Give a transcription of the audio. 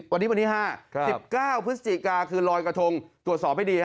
วันนี้วันที่๕๑๙พฤศจิกาคือลอยกระทงตรวจสอบให้ดี